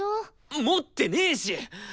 持ってねし！